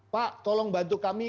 pak tolong bantu kami